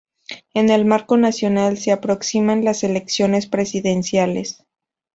En el marco nacional se aproximan las elecciones presidenciales.